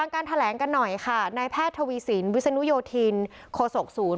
การแถลงกันหน่อยค่ะนายแพทย์ทวีสินวิศนุโยธินโคศกศูนย์